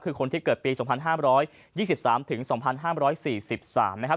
คือคนที่เกิดปี๒๕๒๓๒๕๔๓นะครับ